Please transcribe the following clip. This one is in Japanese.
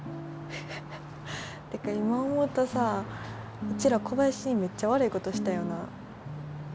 てか今思うとさうちら小林にめっちゃ悪いことしたよな。